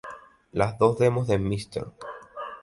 Las dos demos de "Mr.